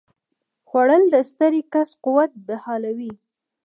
خوړل د ستړي کس قوت بحالوي